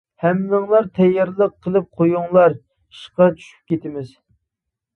ھەممىڭلار تەييارلىق قىلىپ قويۇڭلار، ئىشقا چۈشۈپ كېتىمىز.